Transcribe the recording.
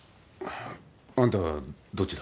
あんたどっちだ？